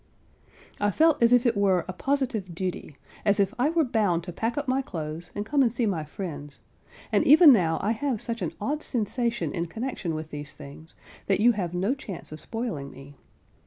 I felt as if it were a positive duty, as if I were bound to pack up my clothes, and come and see my friends; and even now I have such an odd sensation in connexion with these things, that you have no chance of spoiling me.